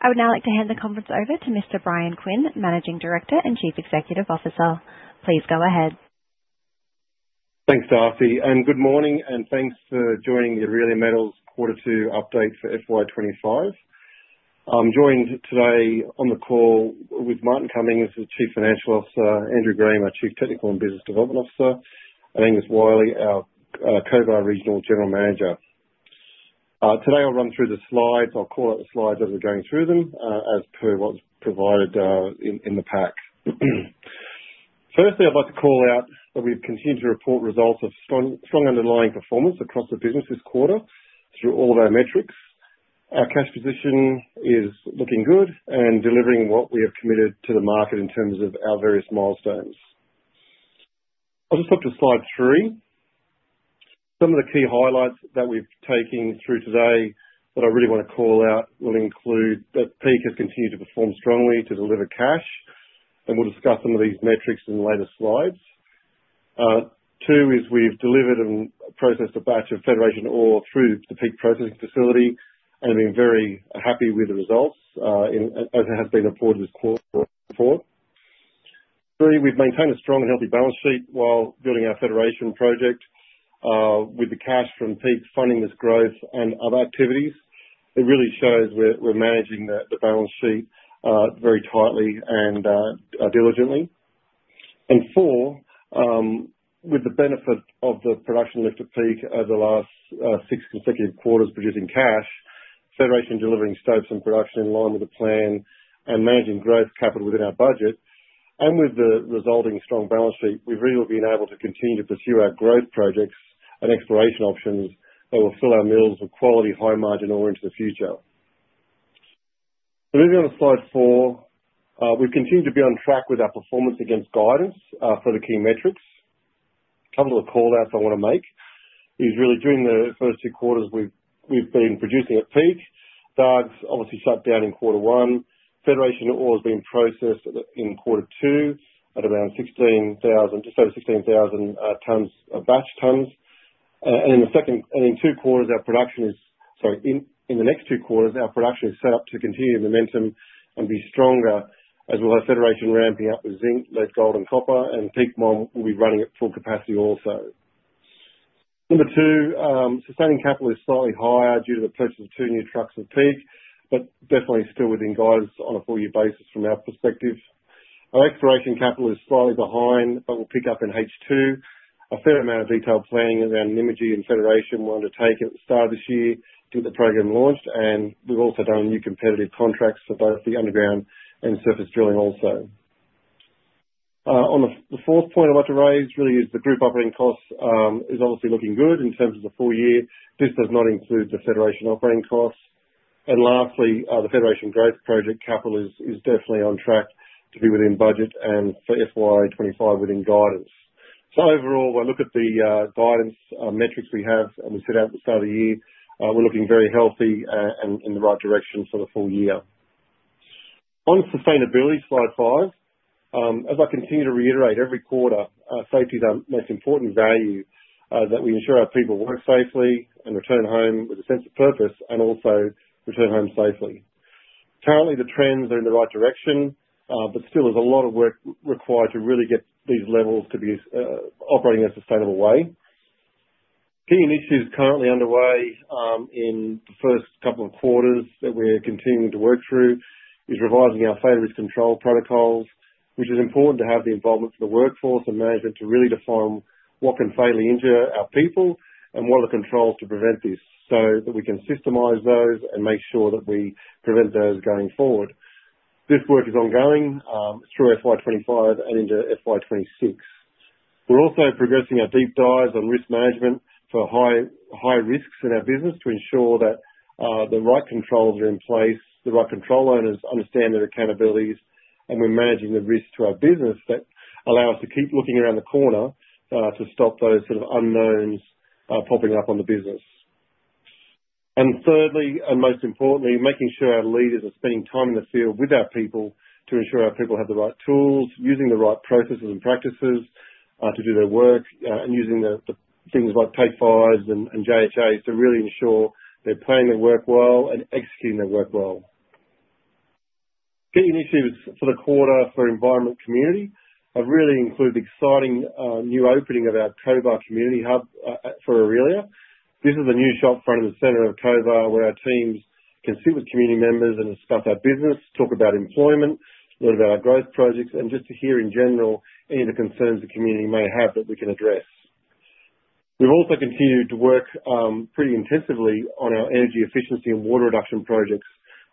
I would now like to hand the conference over to Mr. Bryan Quinn, Managing Director and Chief Executive Officer. Please go ahead. Thanks, Darcy, and good morning, and thanks for joining the Aurelia Metals Quarter Two Update for FY 2025. I'm joined today on the call with Martin Cummings as Chief Financial Officer, Andrew Graham, our Chief Technical and Business Development Officer, and Angus Wyllie, our Cobar Regional General Manager. Today I'll run through the slides. I'll call out the slides as we're going through them as per what's provided in the pack. Firstly, I'd like to call out that we've continued to report results of strong underlying performance across the business this quarter through all of our metrics. Our cash position is looking good and delivering what we have committed to the market in terms of our various milestones. I'll just hop to slide three. Some of the key highlights that we've taken through today that I really want to call out will include that Peak has continued to perform strongly to deliver cash, and we'll discuss some of these metrics in later slides. Two is we've delivered and processed a batch of Federation ore through the Peak processing facility and have been very happy with the results as it has been reported this quarter before. Three, we've maintained a strong and healthy balance sheet while building our Federation project with the cash from Peak funding this growth and other activities. It really shows we're managing the balance sheet very tightly and diligently. And four, with the benefit of the production lift of Peak over the last six consecutive quarters producing cash, Federation delivering stopes and production in line with the plan, and managing growth capital within our budget, and with the resulting strong balance sheet, we've really been able to continue to pursue our growth projects and exploration options that will fill our mills with quality, high-margin ore into the future. Moving on to slide four, we've continued to be on track with our performance against guidance for the key metrics. A couple of the callouts I want to make is really during the first two quarters we've been producing at Peak. Dargues obviously shut down in quarter one. Federation ore has been processed in quarter two at around 16,000, just over 16,000 tons of batch tons. In the next two quarters, our production is set up to continue momentum and be stronger, as well as Federation ramping up with zinc, lead, gold and copper, and Peak will be running at full capacity also. Number two, sustaining capital is slightly higher due to the purchase of two new trucks for Peak, but definitely still within guidance on a full-year basis from our perspective. Our exploration capital is slightly behind, but we'll pick up in H2. A fair amount of detailed planning around Nymagee and Federation were undertaken at the start of this year to get the program launched, and we've also done new competitive contracts for both the underground and surface drilling also. On the fourth point I'd like to raise really is the group operating costs is obviously looking good in terms of the full year. This does not include the Federation operating costs. And lastly, the Federation growth project capital is definitely on track to be within budget and for FY 2025 within guidance. So overall, when I look at the guidance metrics we have and we set out at the start of the year, we're looking very healthy and in the right direction for the full year. On sustainability, slide five, as I continue to reiterate every quarter, safety is our most important value, that we ensure our people work safely and return home with a sense of purpose and also return home safely. Currently, the trends are in the right direction, but still there's a lot of work required to really get these levels to be operating in a sustainable way. Key initiatives currently underway in the first couple of quarters that we're continuing to work through is revising our failure risk control protocols, which is important to have the involvement of the workforce and management to really define what can fatally injure our people and what are the controls to prevent this so that we can systemize those and make sure that we prevent those going forward. This work is ongoing through FY 2025 and into FY 2026. We're also progressing our deep dives on risk management for high risks in our business to ensure that the right controls are in place, the right control owners understand their accountabilities, and we're managing the risks to our business that allow us to keep looking around the corner to stop those sort of unknowns popping up on the business. And thirdly, and most importantly, making sure our leaders are spending time in the field with our people to ensure our people have the right tools, using the right processes and practices to do their work, and using the things like Take 5s and JHAs to really ensure they're planning their work well and executing their work well. Key initiatives for the quarter for environment and community have really included the exciting new opening of our Cobar Community Hub for Aurelia. This is a new shop front in the center of Cobar where our teams can sit with community members and discuss our business, talk about employment, learn about our growth projects, and just to hear in general any of the concerns the community may have that we can address. We've also continued to work pretty intensively on our energy efficiency and water reduction projects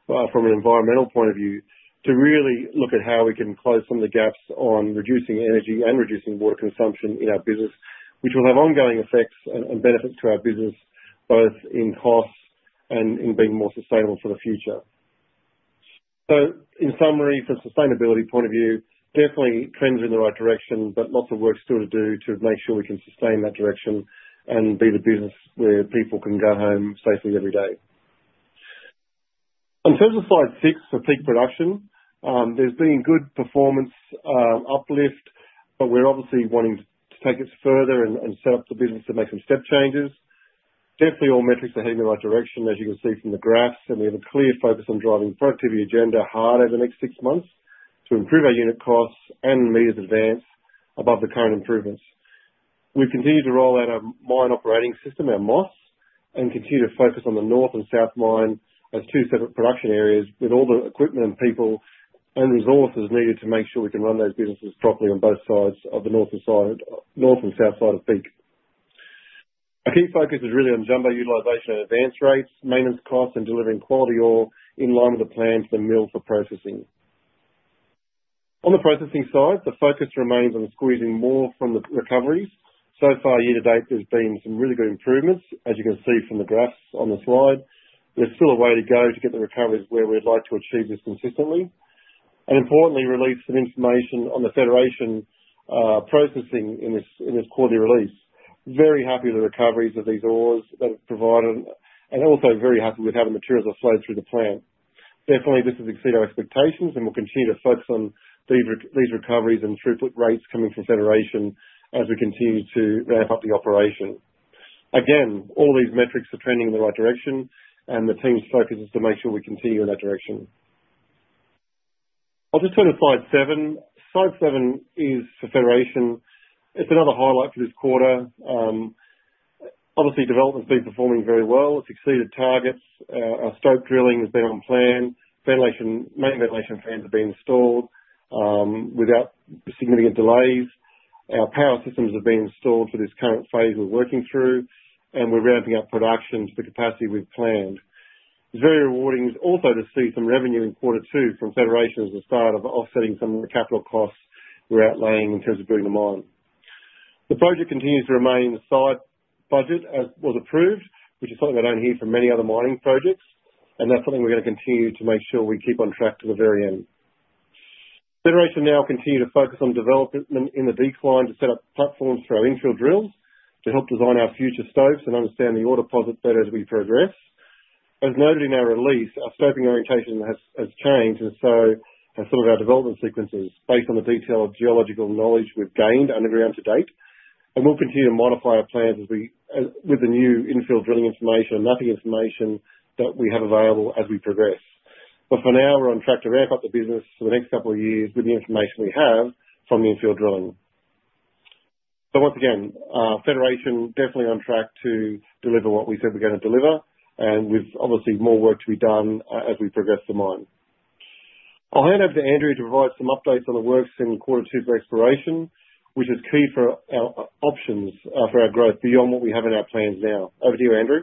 from an environmental point of view to really look at how we can close some of the gaps on reducing energy and reducing water consumption in our business, which will have ongoing effects and benefits to our business, both in cost and in being more sustainable for the future. So in summary, from a sustainability point of view, definitely trends are in the right direction, but lots of work still to do to make sure we can sustain that direction and be the business where people can go home safely every day. In terms of slide six for Peak production, there's been good performance uplift, but we're obviously wanting to take it further and set up the business to make some step changes. Definitely, all metrics are heading in the right direction, as you can see from the graphs, and we have a clear focus on driving productivity agenda hard over the next six months to improve our unit costs and meters advance above the current improvements. We've continued to roll out our Mine Operating System or MOS, and continue to focus on the North and South Mine as two separate production areas with all the equipment and people and resources needed to make sure we can run those businesses properly on both sides of the north and south side of Peak. Our key focus is really on jumbo utilization and advance rates, maintenance costs, and delivering quality ore in line with the plan for the mill for processing. On the processing side, the focus remains on squeezing more from the recoveries. So far, year to date, there's been some really good improvements, as you can see from the graphs on the slide. There's still a way to go to get the recoveries where we'd like to achieve this consistently, and importantly released some information on the Federation processing in this quarterly release. Very happy with the recoveries of these ores that have provided, and also very happy with how the materials have flowed through the plant. Definitely, this has exceeded our expectations, and we'll continue to focus on these recoveries and throughput rates coming from Federation as we continue to ramp up the operation. Again, all these metrics are trending in the right direction, and the team's focus is to make sure we continue in that direction. I'll just turn to slide seven. Slide seven is for Federation. It's another highlight for this quarter. Obviously, development's been performing very well. It's exceeded targets. Our stope drilling has been on plan. Main ventilation fans have been installed without significant delays. Our power systems have been installed for this current phase we're working through, and we're ramping up production to the capacity we've planned. It's very rewarding also to see some revenue in quarter two from Federation as a start of offsetting some of the capital costs we're outlaying in terms of building the mine. The project continues to remain on budget as was approved, which is something I don't hear from many other mining projects, and that's something we're going to continue to make sure we keep on track to the very end. Federation now continues to focus on development in the decline to set up platforms for our infill drilling to help design our future stopes and understand the ore deposit better as we progress. As noted in our release, our stoping orientation has changed and so has some of our development sequences based on the detail of geological knowledge we've gained underground to date, and we'll continue to modify our plans with the new infill drilling information and mapping information that we have available as we progress. But for now, we're on track to ramp up the business for the next couple of years with the information we have from the infill drilling. So once again, Federation definitely on track to deliver what we said we're going to deliver, and with obviously more work to be done as we progress the mine. I'll hand over to Andrew to provide some updates on the works in quarter two for exploration, which is key for our options for our growth beyond what we have in our plans now. Over to you, Andrew.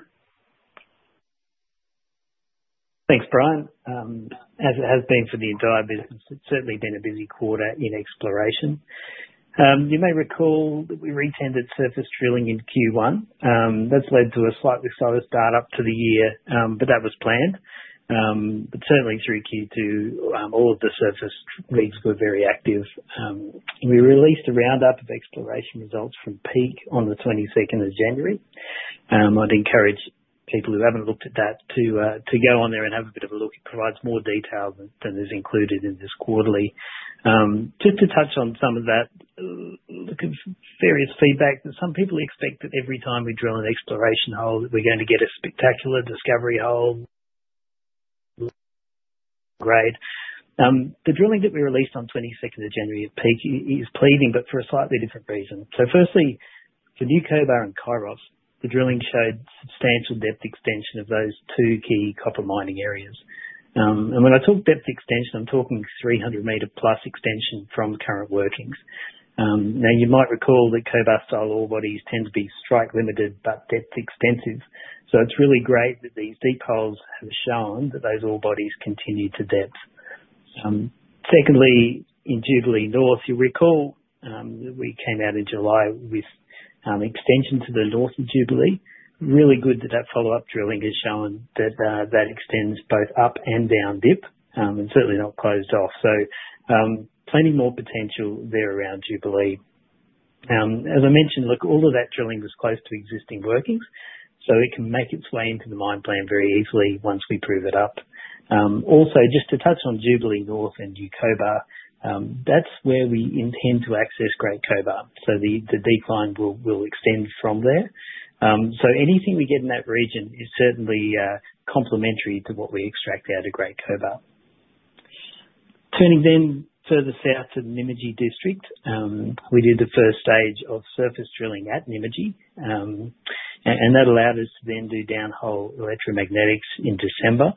Thanks, Bryan. As it has been for the entire business, it's certainly been a busy quarter in exploration. You may recall that we retendered surface drilling in Q1. That's led to a slightly slower start-up to the year, but that was planned. But certainly through Q2, all of the surface leads were very active. We released a roundup of exploration results from Peak on the 22nd of January. I'd encourage people who haven't looked at that to go on there and have a bit of a look. It provides more detail than is included in this quarterly. Just to touch on some of that, look at various feedback that some people expect that every time we drill an exploration hole, we're going to get a spectacular discovery hole. The drilling that we released on the 22nd of January at Peak is pleasing, but for a slightly different reason. So firstly, for New Cobar and Kairos, the drilling showed substantial depth extension of those two key copper mining areas. And when I talk depth extension, I'm talking 300 m+ extension from current workings. Now, you might recall that Cobar-style ore bodies tend to be strike-limited, but depth extensive. So it's really great that these deep holes have shown that those ore bodies continue to depth. Secondly, in Jubilee North, you'll recall that we came out in July with extension to the north of Jubilee. Really good that that follow-up drilling has shown that that extends both up and down dip and certainly not closed off. So plenty more potential there around Jubilee. As I mentioned, look, all of that drilling was close to existing workings, so it can make its way into the mine plan very easily once we prove it up. Also, just to touch on Jubilee North and New Cobar, that's where we intend to access Great Cobar. So the decline will extend from there. So anything we get in that region is certainly complementary to what we extract out of Great Cobar. Turning then further south to the Nymagee district, we did the first stage of surface drilling at Nymagee, and that allowed us to then do downhole electromagnetics in December,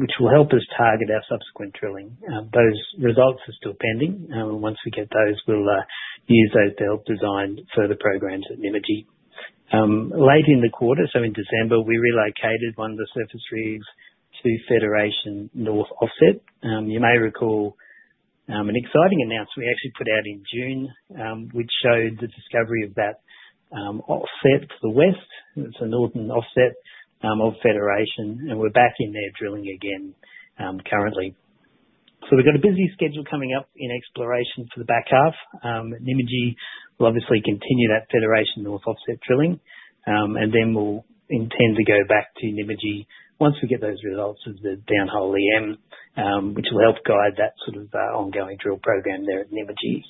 which will help us target our subsequent drilling. Those results are still pending. Once we get those, we'll use those to help design further programs at Nymagee. Late in the quarter, so in December, we relocated one of the surface rigs to Federation North offset. You may recall an exciting announcement we actually put out in June, which showed the discovery of that offset to the west. It's a northern offset of Federation, and we're back in there drilling again currently. So we've got a busy schedule coming up in exploration for the back half. Nymagee will obviously continue that Federation North offset drilling, and then we'll intend to go back to Nymagee once we get those results of the downhole EM, which will help guide that sort of ongoing drill program there at Nymagee.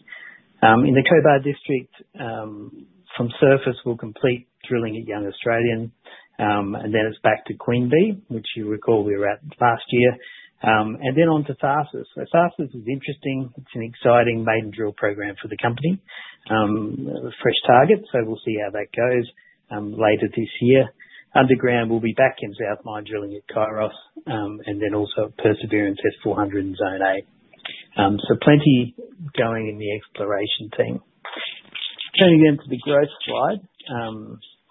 In the Cobar district, from surface, we'll complete drilling at Young Australian, and then it's back to Queen Bee, which you recall we were at last year, and then on to Tharsis. So Tharsis is interesting. It's an exciting maiden drill program for the company. Fresh target, so we'll see how that goes later this year. Underground, we'll be back in South Mine drilling at Kairos, and then also Perseverance S400 in Zone A. So plenty going in the exploration team. Turning then to the growth slide.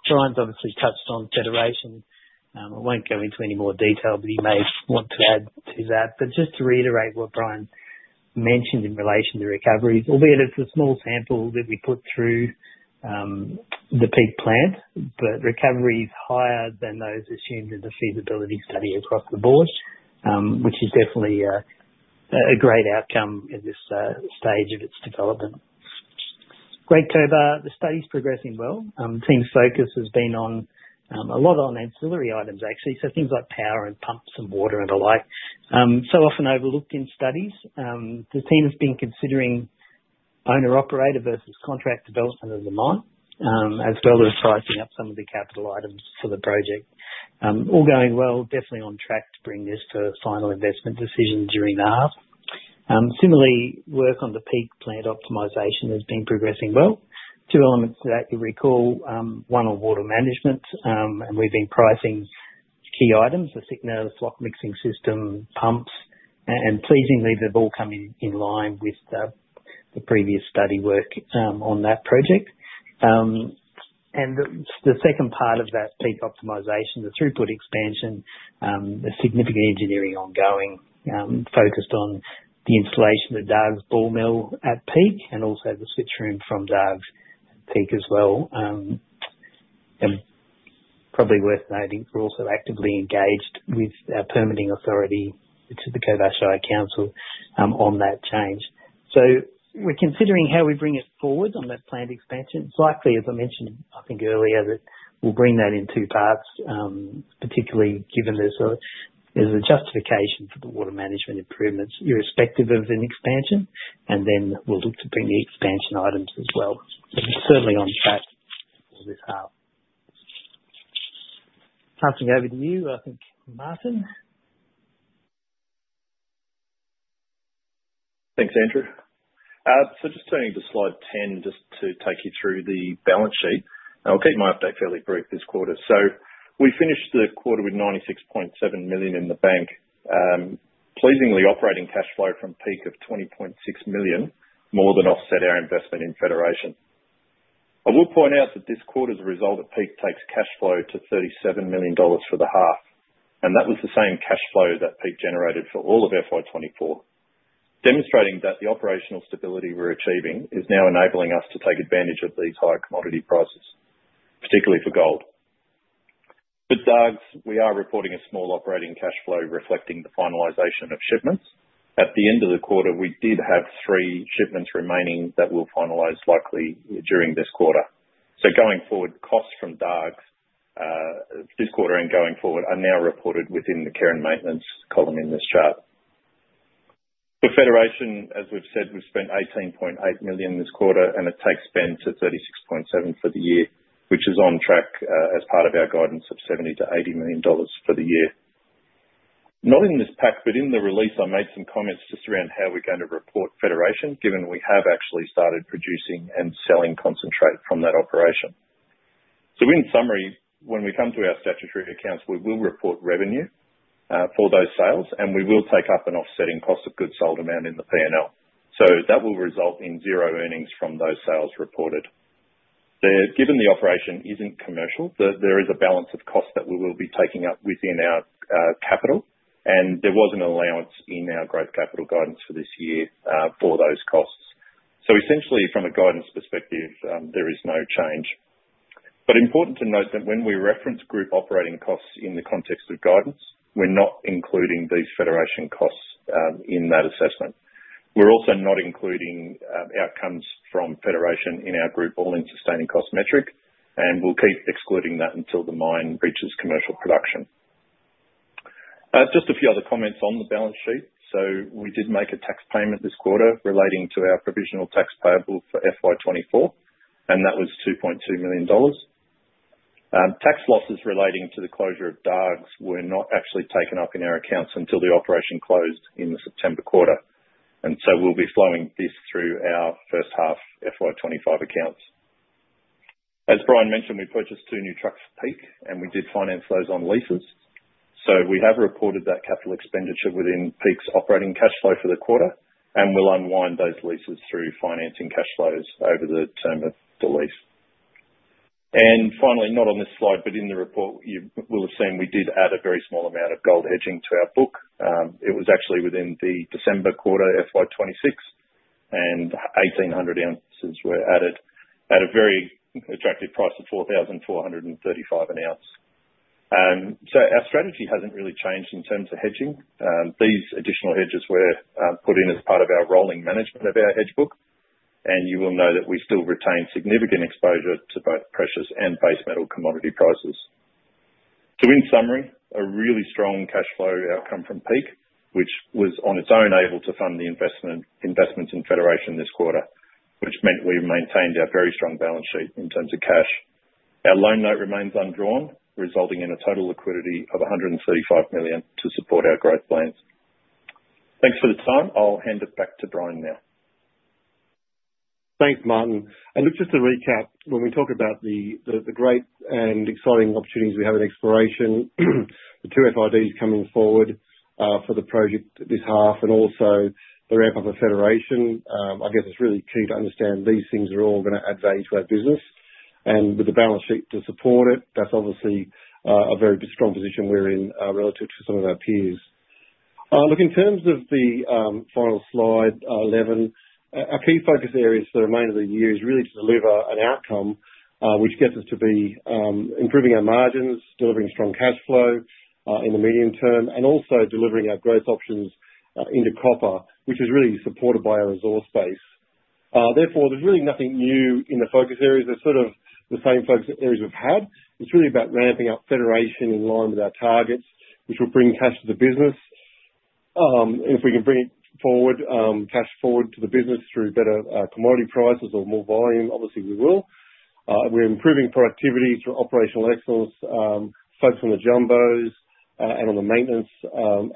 Bryan's obviously touched on Federation. I won't go into any more detail, but he may want to add to that. But just to reiterate what Bryan mentioned in relation to recoveries, albeit it's a small sample that we put through the Peak plant, but recovery is higher than those assumed in the feasibility study across the board, which is definitely a great outcome at this stage of its development. Great Cobar. The study's progressing well. The team's focus has been on a lot of ancillary items, actually, so things like power and pumps and water and the like. So often overlooked in studies, the team has been considering owner-operator versus contract development of the mine as well as pricing up some of the capital items for the project. All going well, definitely on track to bring this to a final investment decision during the half. Similarly, work on the Peak plant optimization has been progressing well. Two elements of that, you recall, one on water management, and we've been pricing key items, the thickener, the flocculant mixing system, pumps, and pleasingly, they've all come in line with the previous study work on that project. And the second part of that Peak optimization, the throughput expansion, there's significant engineering ongoing focused on the installation of the Dargues ball mill at Peak and also the switchroom from Dargues at Peak as well. And probably worth noting, we're also actively engaged with our permitting authority, which is the Cobar Shire Council, on that change. So we're considering how we bring it forward on that plant expansion. It's likely, as I mentioned, I think earlier, that we'll bring that in two parts, particularly given there's a justification for the water management improvements irrespective of an expansion, and then we'll look to bring the expansion items as well. So we're certainly on track for this half. Passing over to you, I think, Martin. Thanks, Andrew. So just turning to slide 10 just to take you through the balance sheet. I'll keep my update fairly brief this quarter. So we finished the quarter with 96.7 million in the bank, pleasingly operating cash flow from Peak of 20.6 million, more than offset our investment in Federation. I will point out that this quarter's result at Peak takes cash flow to 37 million dollars for the half, and that was the same cash flow that Peak generated for all of FY 2024, demonstrating that the operational stability we're achieving is now enabling us to take advantage of these high commodity prices, particularly for gold. With Dargues, we are reporting a small operating cash flow reflecting the finalization of shipments. At the end of the quarter, we did have three shipments remaining that we'll finalize likely during this quarter. So going forward, costs from Dargues this quarter and going forward are now reported within the care and maintenance column in this chart. For Federation, as we've said, we've spent 18.8 million this quarter, and it takes spend to 36.7 for the year, which is on track as part of our guidance of 70 million-80 million dollars for the year. Not in this pack, but in the release, I made some comments just around how we're going to report Federation, given we have actually started producing and selling concentrate from that operation. So in summary, when we come to our statutory accounts, we will report revenue for those sales, and we will take up and offsetting cost of goods sold amount in the P&L. So that will result in zero earnings from those sales reported. Given the operation isn't commercial, there is a balance of cost that we will be taking up within our capital, and there was an allowance in our growth capital guidance for this year for those costs. So essentially, from a guidance perspective, there is no change. But important to note that when we reference group operating costs in the context of guidance, we're not including these Federation costs in that assessment. We're also not including outcomes from Federation in our group All-In Sustaining Cost Metric, and we'll keep excluding that until the mine reaches commercial production. Just a few other comments on the balance sheet. So we did make a tax payment this quarter relating to our provisional tax payable for FY 2024, and that was 2.2 million dollars. Tax losses relating to the closure of Dargues were not actually taken up in our accounts until the operation closed in the September quarter, and so we'll be flowing this through our first half FY 2025 accounts. As Bryan mentioned, we purchased two new trucks for Peak, and we did finance those on leases. So we have reported that capital expenditure within Peak's operating cash flow for the quarter, and we'll unwind those leases through financing cash flows over the term of the lease. And finally, not on this slide, but in the report, you will have seen we did add a very small amount of gold hedging to our book. It was actually within the December quarter FY 2026, and 1,800 oz were added at a very attractive price of 4,435 an oz So our strategy hasn't really changed in terms of hedging. These additional hedges were put in as part of our rolling management of our hedge book, and you will know that we still retain significant exposure to both precious and base metal commodity prices. So in summary, a really strong cash flow outcome from Peak, which was on its own able to fund the investments in Federation this quarter, which meant we maintained our very strong balance sheet in terms of cash. Our loan note remains undrawn, resulting in a total liquidity of 135 million to support our growth plans. Thanks for the time. I'll hand it back to Bryan now. Thanks, Martin. And just to recap, when we talk about the great and exciting opportunities we have in exploration, the two FIDs coming forward for the project this half, and also the ramp-up of Federation, I guess it's really key to understand these things are all going to add value to our business. And with the balance sheet to support it, that's obviously a very strong position we're in relative to some of our peers. Look, in terms of the final slide 11, our key focus areas for the remainder of the year is really to deliver an outcome which gets us to be improving our margins, delivering strong cash flow in the medium term, and also delivering our growth options into copper, which is really supported by our resource base. Therefore, there's really nothing new in the focus areas. They're sort of the same focus areas we've had. It's really about ramping up Federation in line with our targets, which will bring cash to the business. If we can bring it forward, cash forward to the business through better commodity prices or more volume, obviously we will. We're improving productivity through operational excellence, focusing on the jumbos and on the maintenance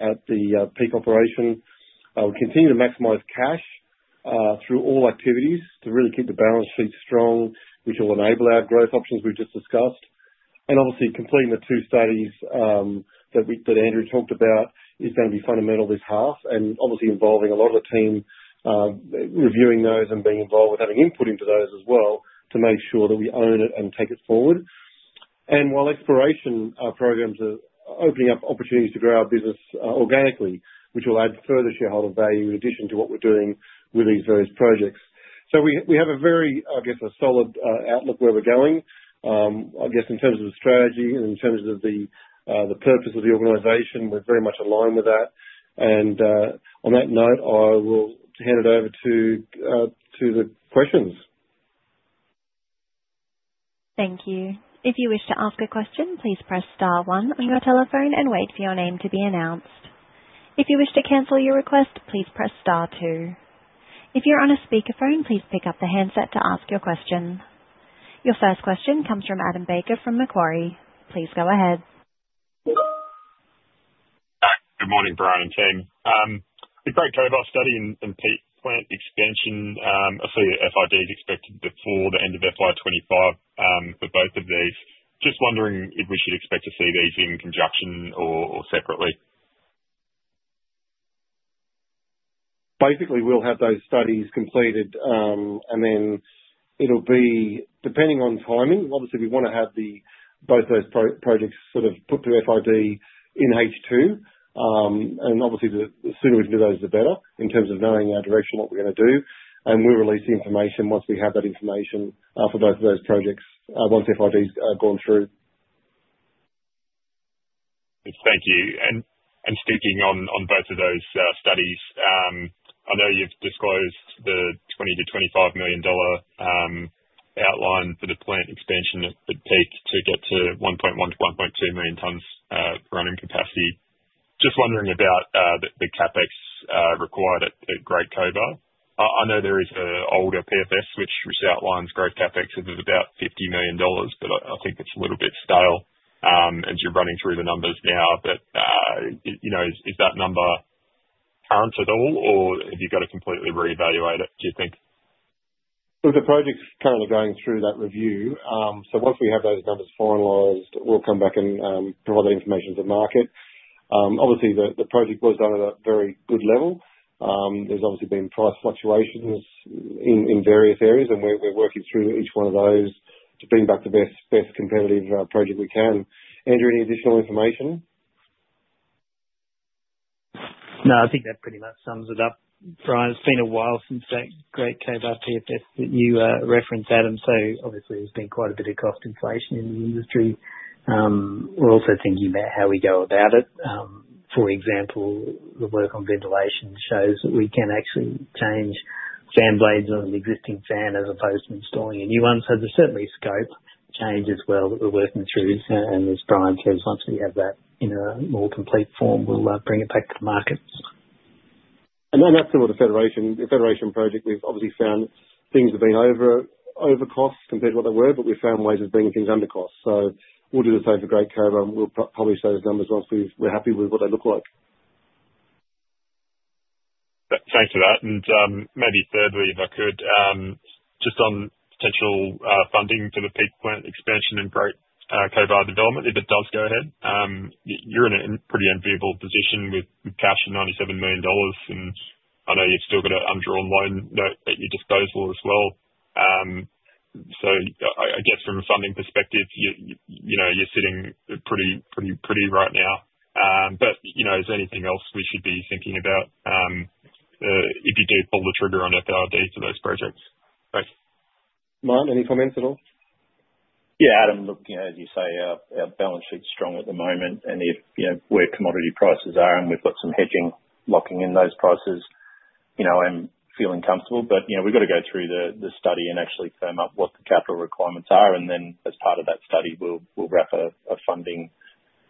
at the Peak operation. We'll continue to maximize cash through all activities to really keep the balance sheet strong, which will enable our growth options we've just discussed, and obviously completing the two studies that Andrew talked about is going to be fundamental this half, and obviously involving a lot of the team, reviewing those and being involved with having input into those as well to make sure that we own it and take it forward. While exploration programs are opening up opportunities to grow our business organically, which will add further shareholder value in addition to what we're doing with these various projects. We have a very, I guess, a solid outlook where we're going. I guess in terms of the strategy and in terms of the purpose of the organization, we're very much aligned with that. On that note, I will hand it over to the questions. Thank you. If you wish to ask a question, please press star one on your telephone and wait for your name to be announced. If you wish to cancel your request, please press star two. If you're on a speakerphone, please pick up the handset to ask your question. Your first question comes from Adam Baker from Macquarie. Please go ahead. Hi. Good morning, Bryan and team. The Great Cobar study and Peak plant expansion, I see FIDs expected before the end of FY 2025 for both of these. Just wondering if we should expect to see these in conjunction or separately. Basically, we'll have those studies completed, and then it'll be depending on timing. Obviously, we want to have both those projects sort of put through FID in H2. And obviously, the sooner we can do those, the better in terms of knowing our direction, what we're going to do. And we'll release the information once we have that information for both of those projects once FIDs are gone through. Thank you. And speaking on both of those studies, I know you've disclosed the 20 million-25 million dollar outline for the plant expansion at Peak to get to 1.1 million-1.2 million tons running capacity. Just wondering about the CapEx required at Great Cobar. I know there is an older PFS, which outlines growth CapEx of about 50 million dollars, but I think it's a little bit stale as you're running through the numbers now. But is that number current at all, or have you got to completely reevaluate it, do you think? So the project's currently going through that review. So once we have those numbers finalized, we'll come back and provide that information to the market. Obviously, the project was done at a very good level. There's obviously been price fluctuations in various areas, and we're working through each one of those to bring back the best competitive project we can. Andrew, any additional information? No, I think that pretty much sums it up. Bryan, it's been a while since that Great Cobar PFS that you referenced, Adam. So obviously, there's been quite a bit of cost inflation in the industry. We're also thinking about how we go about it. For example, the work on ventilation shows that we can actually change fan blades on an existing fan as opposed to installing a new one. So there's certainly scope change as well that we're working through. And as Bryan says, once we have that in a more complete form, we'll bring it back to the market. And then that's still the Federation project. We've obviously found things have been over cost compared to what they were, but we've found ways of bringing things under cost. So we'll do the same for Great Cobar. We'll publish those numbers once we're happy with what they look like. Thanks for that. And maybe thirdly, if I could, just on potential funding for the Peak plant expansion and Great Cobar development, if it does go ahead, you're in a pretty enviable position with cash of 97 million dollars, and I know you've still got an undrawn loan note at your disposal as well. So I guess from a funding perspective, you're sitting pretty pretty pretty right now. But is there anything else we should be thinking about if you do pull the trigger on FID for those projects? Thanks. Martin, any comments at all? Yeah, Adam, look, as you say, our balance sheet's strong at the moment, and if where commodity prices are and we've got some hedging locking in those prices, I'm feeling comfortable, but we've got to go through the study and actually firm up what the capital requirements are, and then as part of that study, we'll wrap a funding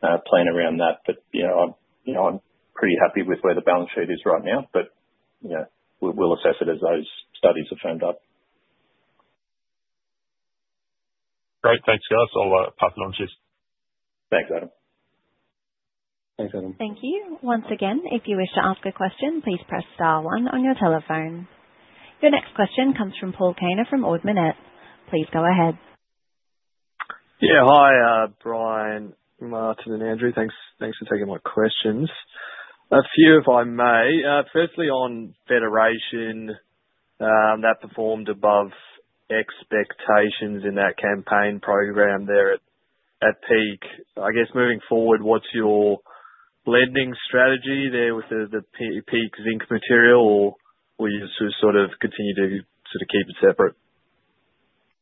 plan around that, but I'm pretty happy with where the balance sheet is right now, but we'll assess it as those studies are firmed up. Great. Thanks, guys. I'll pack lunches. Thanks, Adam. Thank you. Once again, if you wish to ask a question, please press star one on your telephone. Your next question comes from Paul Kaner from Ord Minnett. Please go ahead. Yeah, hi, Bryan, Martin, and Andrew. Thanks for taking my questions. A few, if I may. Firstly, on Federation, that performed above expectations in that campaign program there at Peak. I guess moving forward, what's your blending strategy there with the Peak zinc material, or will you sort of continue to sort of keep it separate?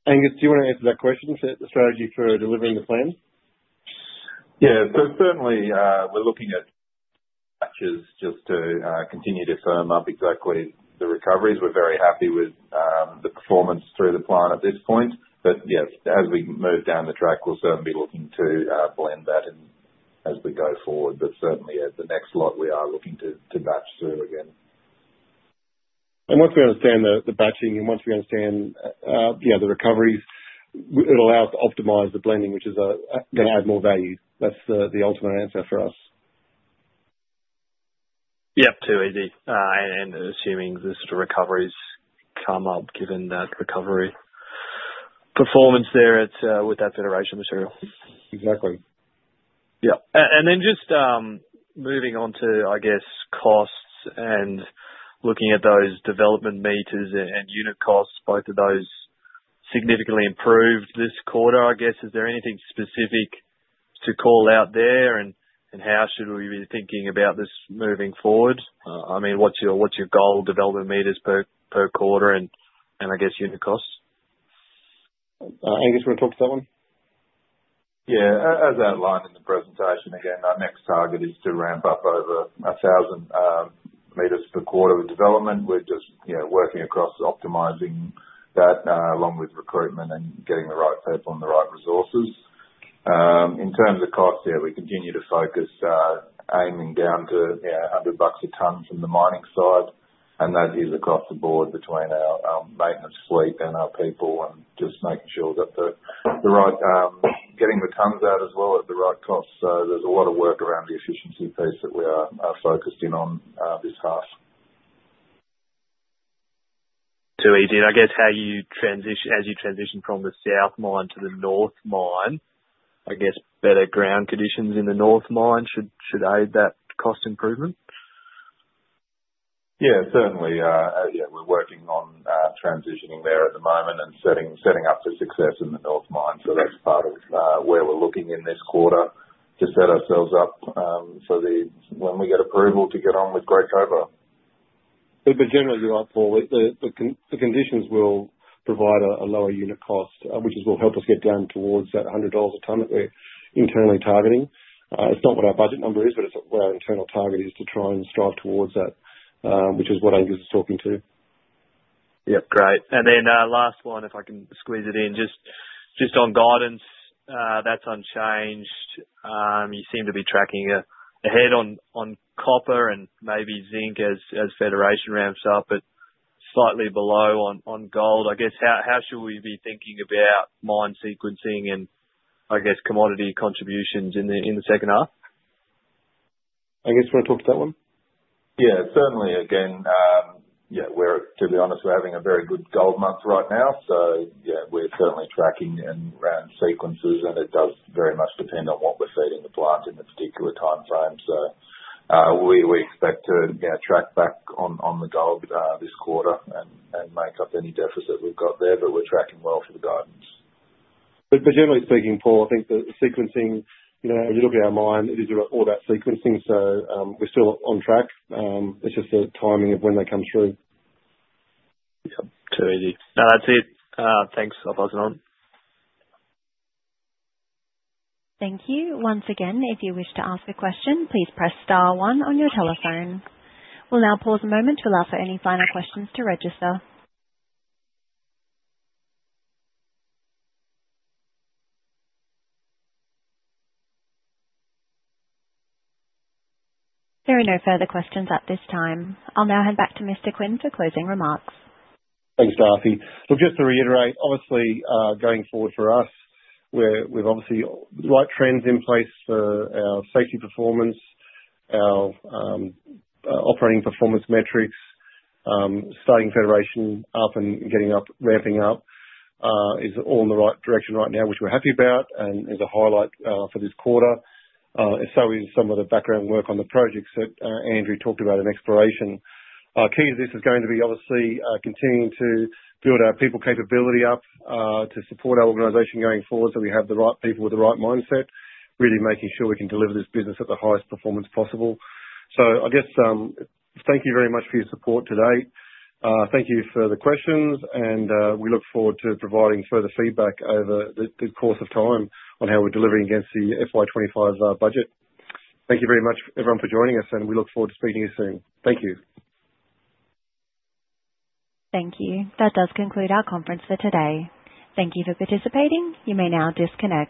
Angus, do you want to answer that question, the strategy for delivering the plan? Yeah, so certainly, we're looking at batches just to continue to firm up exactly the recoveries. We're very happy with the performance through the plant at this point, but yes, as we move down the track, we'll certainly be looking to blend that as we go forward, but certainly, at the next lot, we are looking to batch through again. Once we understand the batching and once we understand the recoveries, it'll allow us to optimize the blending, which is going to add more value. That's the ultimate answer for us. Yep, too easy. And assuming the sort of recoveries come up, given that recovery performance there with that Federation material. Exactly. Yeah. And then just moving on to, I guess, costs and looking at those development meters and unit costs, both of those significantly improved this quarter, I guess. Is there anything specific to call out there, and how should we be thinking about this moving forward? I mean, what's your goal development meters per quarter and, I guess, unit costs? Angus, want to talk to that one? Yeah. As outlined in the presentation, again, our next target is to ramp up over 1,000 m per quarter with development. We're just working across optimizing that along with recruitment and getting the right people and the right resources. In terms of costs, yeah, we continue to focus aiming down to 100 bucks a tonne from the mining side. And that is across the board between our maintenance fleet and our people and just making sure that the right getting the tons out as well at the right cost. So there's a lot of work around the efficiency piece that we are focusing on this half. Too easy, and I guess how you transition from the South Mine to the North Mine, I guess better ground conditions in the North Mine should aid that cost improvement? Yeah, certainly. Yeah, we're working on transitioning there at the moment and setting up for success in the North Mine. So that's part of where we're looking in this quarter to set ourselves up for when we get approval to get on with Great Cobar. But generally, Paul, the conditions will provide a lower unit cost, which will help us get down towards that 100 dollars a tonne that we're internally targeting. It's not what our budget number is, but it's what our internal target is to try and strive towards that, which is what Angus is talking to. Yep, great. And then last one, if I can squeeze it in, just on guidance, that's unchanged. You seem to be tracking ahead on copper and maybe zinc as Federation ramps up, but slightly below on gold. I guess how should we be thinking about mine sequencing and, I guess, commodity contributions in the second half? Angus, want to talk to that one? Yeah, certainly. Again, yeah, to be honest, we're having a very good gold month right now, so yeah, we're certainly tracking around sequences, and it does very much depend on what we're feeding the plant in the particular timeframe, so we expect to track back on the gold this quarter and make up any deficit we've got there, but we're tracking well for the guidance. But generally speaking, Paul, I think the sequencing, when you look at our mine, it is all about sequencing. So we're still on track. It's just the timing of when they come through. Yep, too easy. No, that's it. Thanks. I'll pass it on. Thank you. Once again, if you wish to ask a question, please press star one on your telephone. We'll now pause a moment to allow for any final questions to register. There are no further questions at this time. I'll now hand back to Mr. Quinn for closing remarks. Thanks, Darcy. Look, just to reiterate, obviously, going forward for us, we've obviously got the right trends in place for our safety performance, our operating performance metrics. Starting Federation up and getting up, ramping up is all in the right direction right now, which we're happy about. And as a highlight for this quarter, so is some of the background work on the projects that Andrew talked about in exploration. Key to this is going to be obviously continuing to build our people capability up to support our organization going forward so we have the right people with the right mindset, really making sure we can deliver this business at the highest performance possible. So I guess thank you very much for your support today. Thank you for the questions, and we look forward to providing further feedback over the course of time on how we're delivering against the FY 2025 budget. Thank you very much, everyone, for joining us, and we look forward to speaking to you soon. Thank you. Thank you. That does conclude our conference for today. Thank you for participating. You may now disconnect.